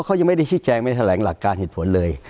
เขายังไม่ได้ชี้แจงไม่ได้แถลงหลักการเหตุผลเลย